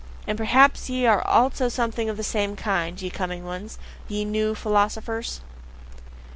And perhaps ye are also something of the same kind, ye coming ones? ye NEW philosophers?